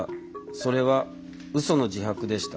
それは嘘の自白でした。